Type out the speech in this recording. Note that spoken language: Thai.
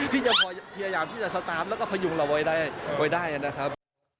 ที่จะพยายามที่จะสตาร์ทแล้วก็พยุงเราไว้ได้นะครับ